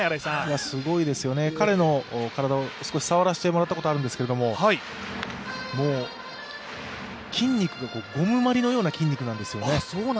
すごいですよね、彼の体を少し触らせてもらったことがあるんですけど、もう筋肉がゴムまりのような筋肉なんですよね。